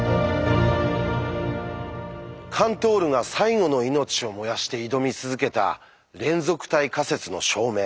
カントールが最後の命を燃やして挑み続けた「連続体仮説」の証明。